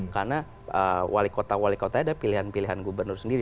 karena wali kota wali kota ada pilihan pilihan gubernur sendiri